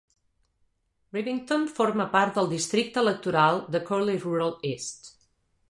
Rivington forma part del districte electoral de Chorley Rural East.